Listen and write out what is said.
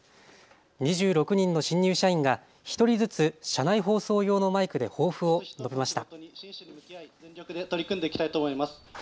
２６人の新入社員が１人ずつ車内放送用のマイクで抱負を述べました。